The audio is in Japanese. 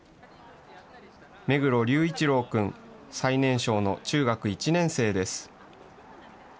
目黒龍一郎君、最年少の中学１年生です。